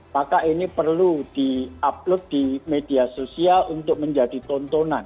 maka ini perlu di upload di media sosial untuk menjadi tontonan